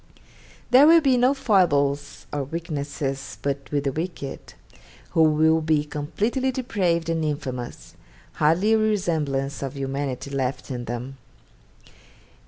There will be no foibles or weaknesses but with the wicked, who will be completely depraved and infamous, hardly a resemblance of humanity left in them.